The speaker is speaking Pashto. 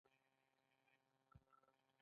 هغه پنځه ساعته پخوانی کار یو ساده کار و